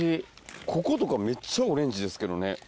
こことかめっちゃオレンジですけどね。